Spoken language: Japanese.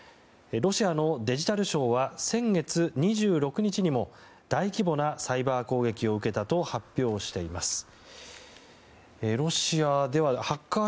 ロシアのデジタル省は先月２６日にも大規模なサイバー攻撃を受けたと発表しています。